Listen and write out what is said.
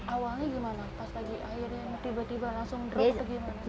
awalnya gimana pas lagi airnya tiba tiba langsung drop atau gimana